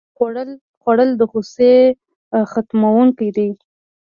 خوړل د غوسې ختموونکی دی